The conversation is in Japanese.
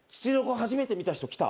初めて見た人来た？